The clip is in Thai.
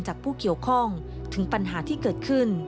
ผู้เกี่ยวข้องถึงปัญหาที่เกิดขึ้น